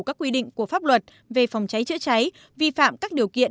các quy định của pháp luật về phòng cháy chữa cháy vi phạm các điều kiện